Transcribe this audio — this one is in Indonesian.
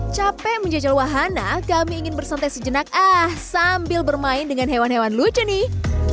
capek menjajal wahana kami ingin bersantai sejenak ah sambil bermain dengan hewan hewan lucu nih